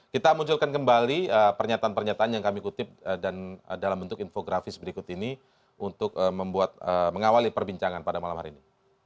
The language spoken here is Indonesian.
kita munculkan kembali pernyataan pernyataan yang kami kutip dan dalam bentuk infografis berikut ini untuk membuat mengawali perbincangan pada malam hari ini